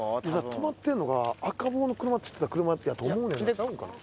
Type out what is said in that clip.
「止まってるのが赤帽の車っつってた車やと思うねんな。